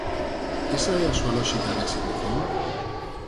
¿Esa é a súa lóxica de asignación?